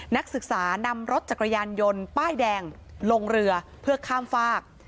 นักศึกษานำรถจักรยานยนต์ป้ายแดงลงเรือเพื่อข้ามฝาก